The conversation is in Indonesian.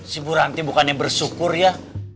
si bu ranti bukannya bersyukur ya